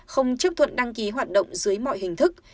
không chấp thuận đăng ký hoạt động dưới mọi hình thức